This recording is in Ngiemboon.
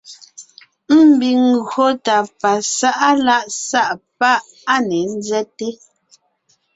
Ḿbiŋ ńgÿo tà pasá’a lá’ sá’ pá’ á ne ńzέte,